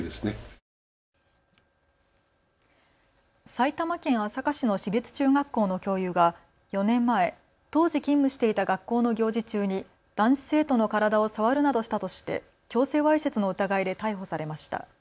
埼玉県朝霞市の市立中学校の教諭が４年前、当時勤務していた学校の行事中に男子生徒の体を触るなどしたとして強制わいせつの疑いで逮捕されました。